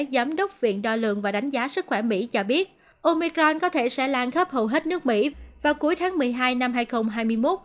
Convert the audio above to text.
giám đốc viện đo lượng và đánh giá sức khỏe mỹ cho biết omicron có thể sẽ lan khắp hầu hết nước mỹ vào cuối tháng một mươi hai năm hai nghìn hai mươi một